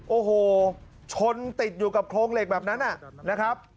โอ้โหชนติดอยู่กับโครงเหล็กแบบนั้นนะครับ